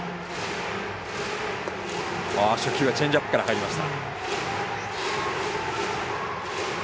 初球はチェンジアップから入りました。